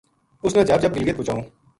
اس نا جھب جھب گلگلت پوہچاؤں